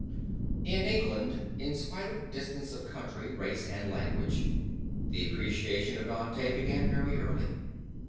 In England, in spite of distance of country, race and language, the appreciation of Dante began very early.